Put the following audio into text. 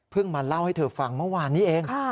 มาเล่าให้เธอฟังเมื่อวานนี้เอง